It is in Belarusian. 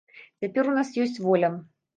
Цяпер у нас ёсць воля.